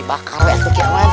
dibakar ya kecilnya